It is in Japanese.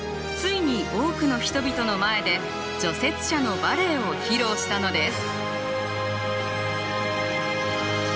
ついに多くの人々の前で除雪車のバレエを披露したのです。